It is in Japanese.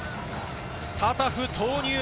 タタフ投入。